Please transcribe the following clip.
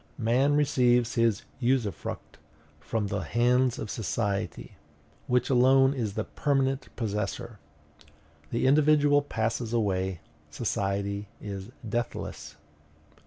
Man receives his usufruct from the hands of society, which alone is the permanent possessor. The individual passes away, society is deathless.